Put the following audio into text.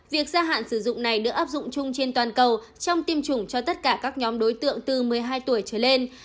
việc gia hạn sử dụng này được áp dụng chung trên toàn cầu trong tiêm chủng cho tất cả các nhóm đối tượng từ một mươi hai tuổi trở lên